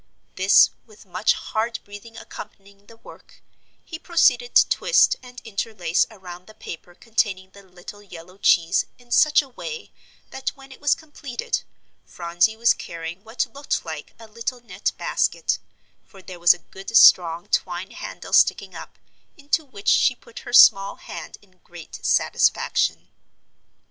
This with much hard breathing accompanying the work, he proceeded to twist and interlace around the paper containing the little yellow cheese in such a way that when it was completed, Phronsie was carrying what looked like a little net basket, for there was a good strong twine handle sticking up, into which she put her small hand in great satisfaction.